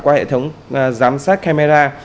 qua hệ thống giám sát camera